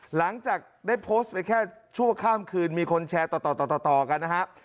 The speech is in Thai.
หลังจากได้โพสต์ไปแค่ชั่วข้ามคืนมีคนแชร์ต่อต่อกันนะฮะ